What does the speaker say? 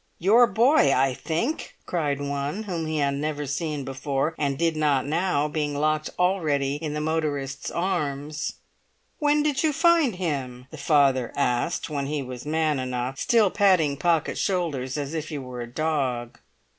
"Your boy, I think!" cried one whom he had never seen before, and did not now, being locked already in the motorist's arms. "When did you find him?" the father asked when he was man enough, still patting Pocket's shoulders as if he were a dog.